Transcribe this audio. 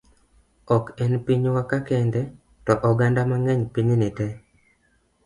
Ok en pinywa ka kende to oganda mang'eny piny ni tee